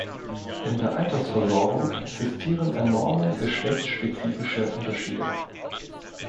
In der Altersversorgung existieren enorme geschlechtsspezifische Unterschiede.